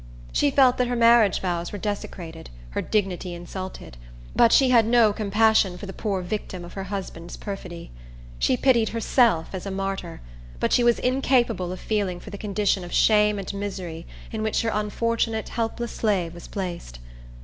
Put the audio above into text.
She felt that her marriage vows were desecrated, her dignity insulted; but she had no compassion for the poor victim of her husband's perfidy. She pitied herself as a martyr; but she was incapable of feeling for the condition of shame and misery in which her unfortunate, helpless slave was placed.